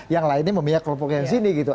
yang lainnya memihak kelompok yang sini gitu